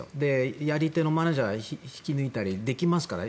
やり手のマネジャーを引き抜いたりできますからね。